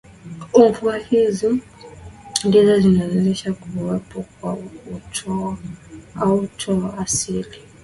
Mvua hizi ndizo zinazowezesha kuwepo kwa uoto wa asili